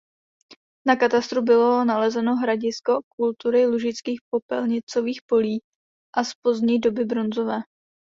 Na katastru bylo nalezeno hradisko kultury lužických popelnicových polí a z pozdní doby bronzové.